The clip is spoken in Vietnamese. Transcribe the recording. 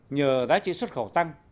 nhờ giá trị xuất khẩu tăng